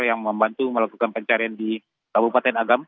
yang membantu melakukan pencarian di kabupaten agam